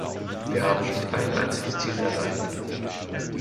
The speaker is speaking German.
Wir haben nicht ein einziges Ziel erreicht.